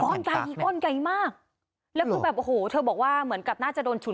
ก้อนไกลมากแล้วคือแบบโอ้โหเธอบอกว่าเหมือนกับน่าจะโดนฉุด